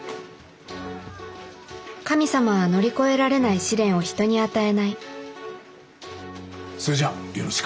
神様は乗り越えられない試練を人に与えないそれじゃあよろしく。